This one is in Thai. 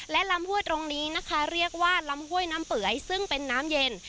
และลำห้วยตรงนี้นะคะเรียกว่าลำห้วยน้ำเปื่อยซึ่งเป็นน้ำเย็น